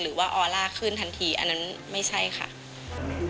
หรือว่าออลล่าขึ้นทันทีอันนั้นไม่ใช่ค่ะ